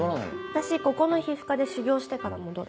私ここの皮膚科で修業してから戻る。